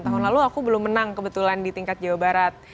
tahun lalu aku belum menang kebetulan di tingkat jawa barat